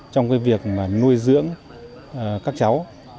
trong cái việc nuôi dưỡng các cháu